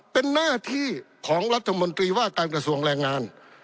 เป็นหน้าที่ของรัฐมนตรีว่าการกระทรวงแรงงาน